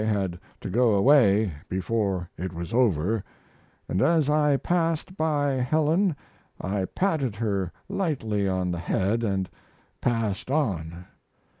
I had to go away before it was over, and as I passed by Helen I patted her lightly on the head and passed on.